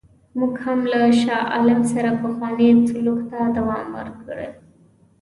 موږ هم له شاه عالم سره پخوانی سلوک ته دوام ورکړی.